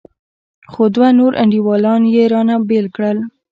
خو دوه نور انډيوالان يې رانه بېل کړل.